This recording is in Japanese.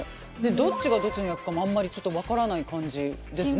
どっちがどっちの役かもあんまりちょっと分からない感じですね